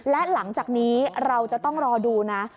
และหลังจากนี้เราจะต้องรอดูนะ